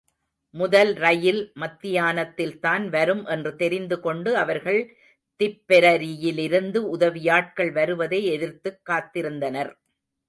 முதல் ரயில் மதியத்தில்தான் வரும் என்று தெரிந்து கொண்டு அவர்கள் திப்பெரரியிலிருந்து உதவியாட்கள் வருவதை எதிர்பார்த்துக் காத்திருந்தனர்.